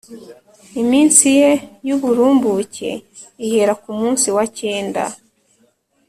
iminsi ye y’uburumbuke ihera ku munsi wa cyenda